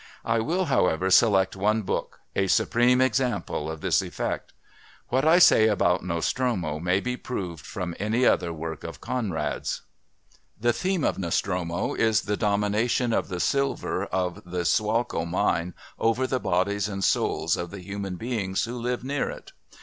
I will, however, select one book, a supreme example of this effect. What I say about Nostromo may be proved from any other work of Conrad's. The theme of Nostromo is the domination of the silver of the Sulaco mine over the bodies and souls of the human beings who live near it.